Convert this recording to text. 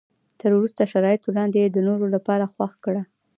تر ورته شرایطو لاندې یې د نورو لپاره خوښ کړه.